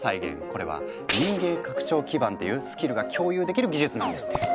これは「人間拡張基盤」っていうスキルが共有できる技術なんですって。